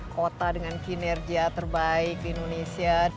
kota dengan kinerja terbaik di indonesia